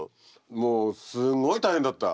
もうすんごい大変だった。